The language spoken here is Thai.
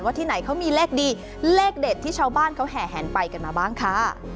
ที่ไหนเขามีเลขดีเลขเด็ดที่ชาวบ้านเขาแห่แหนไปกันมาบ้างค่ะ